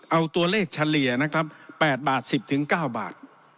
เอาตัวเลขเฉลี่ยนะครับแปดบาทสิบถึงเก้าบาท